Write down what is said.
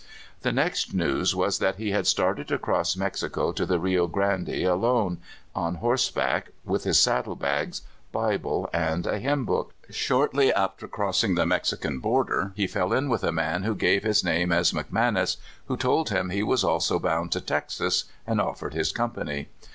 The next news was that he had started across Mexico to the Rio Grande alone, on horseback, with his saddlebags, Bible, and hymn book. Shortly after crossing the Mexican border he fell in with a man who gave his name as McManus, who told him he also was bound to Texas, and offered his company.